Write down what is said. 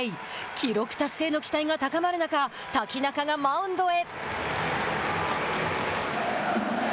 記録達成の期待が高まる中瀧中がマウンドへ。